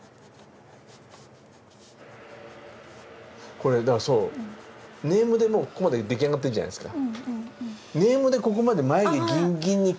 これネームでもうここまで出来上がってるじゃないですか。